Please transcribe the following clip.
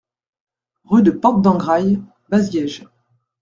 Rue de Porte d'Engraille, Baziège